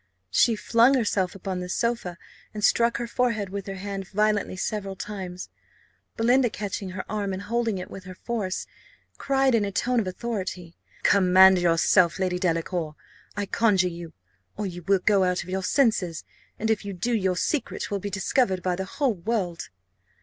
She flung herself upon the sofa, and struck her forehead with her hand violently several times. Belinda catching her arm, and holding it with all her force, cried in a tone of authority, "Command yourself, Lady Delacour, I conjure you, or you will go out of your senses; and if you do, your secret will be discovered by the whole world."